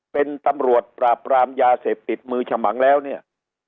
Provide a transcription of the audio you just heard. เป็นตำรวจปราบรามยาเสพติดมือฉมังแล้วเนี่ย